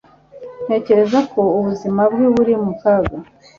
ntekereza ko ubuzima bwe buri mu kaga